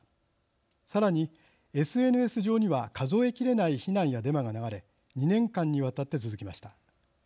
さらにＳＮＳ上には数えきれない非難やデマが流れ２年間にわたって続きました。